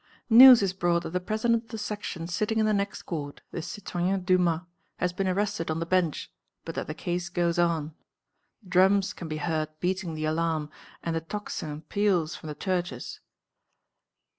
News is brought that the President of the Section sitting in the next court, the citoyen Dumas, has been arrested on the bench, but that the case goes on. Drums can be heard beating the alarm, and the tocsin peals from the churches.